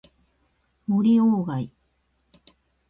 森鴎外